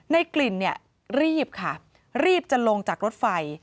ในกลิ่นเนี่ยรีบค่ะรีบจะลงจากรถไฟ